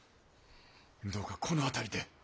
どうかこの辺りで！